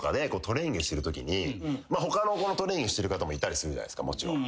他のトレーニングしてる方もいるじゃないですかもちろん。